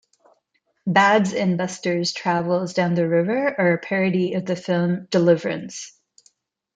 Babs and Buster's travels down the river are a parody of the film "Deliverance".